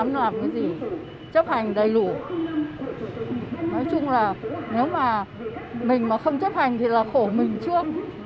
nói chung là nếu mà mình mà không chấp hành thì là khổ mình trước